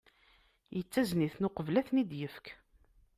Yettazen-iten uqbel ad ten-id-yefk.